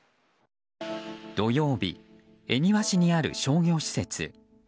土曜日、恵庭市にある商業施設。